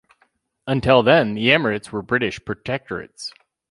Until then, the emirates were British protectorates.